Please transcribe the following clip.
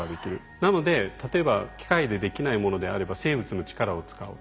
なので例えば機械でできないものであれば生物の力を使うと。